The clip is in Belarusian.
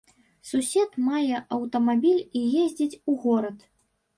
Сусед мае аўтамабіль і ездзіць у горад.